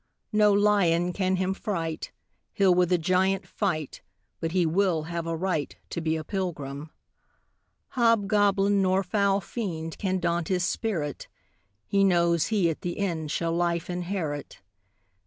No lion can him fright; He'll with a giant fight, But he will have a right To be a pilgrim. "Hobgoblin nor foul fiend Can daunt his spirit; He knows he at the end Shall life inherit.